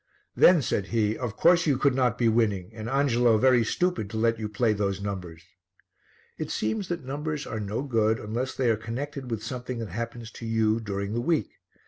"Then," said he, "of course you could not be winning and Angelo very stupid to let you play those numbers." It seems that numbers are no good unless they are connected with something that happens to you during the week.